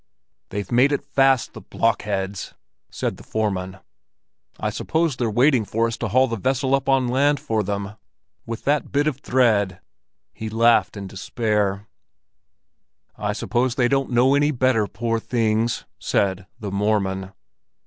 "They've made it fast, the blockheads," said the foreman. "I suppose they're waiting for us to haul the vessel up on land for them—with that bit of thread!" He laughed in despair. "I suppose they don't know any better, poor things!" said "the Mormon."